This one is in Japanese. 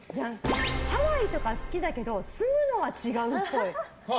ハワイとか好きだけど住むのは違うっぽい。